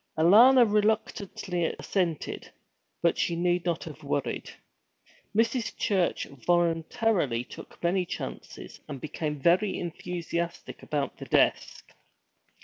Alanna reluctantly assented; but she need not have worried. Mrs. Church voluntarily took many chances, and became very enthusiastic about the desk.